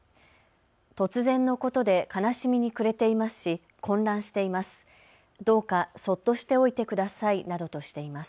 突然のことで悲しみに暮れていますし、混乱しています。